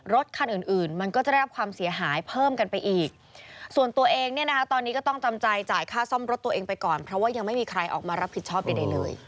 รถคันอื่นอื่นมันก็จะได้รับความเสียหายเพิ่มกันไปอีกส่วนตัวเองเนี่ยนะคะตอนนี้ก็ต้องจำใจจ่ายค่าซ่อมรถตัวเองไปก่อนเพราะว่ายังไม่มีใครออกมารับผิดชอบใดเลย